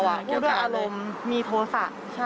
ด้วยอารมณ์มีโทษะ